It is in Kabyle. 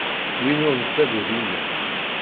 Win ur nettagad imal.